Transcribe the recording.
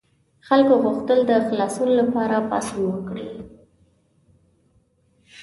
خلکو غوښتل د خلاصون لپاره پاڅون وکړي.